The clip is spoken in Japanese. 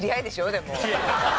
でも。